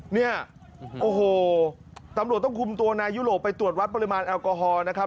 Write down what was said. เนี่ยโอ้โหตำรวจต้องคุมตัวนายยุโรปไปตรวจวัดปริมาณแอลกอฮอล์นะครับ